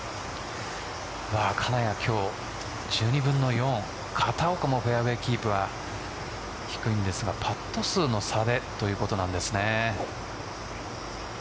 金谷、今日１２分の４片岡もフェアウエーキープは低いんですがパット数の差でということなんですね。